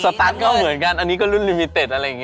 ตันก็เหมือนกันอันนี้ก็รุ่นลิมิเต็ดอะไรอย่างนี้